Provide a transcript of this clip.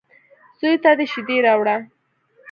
_زوی ته دې شېدې راوړه.